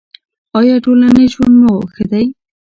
ایا ټولنیز ژوند مو ښه دی؟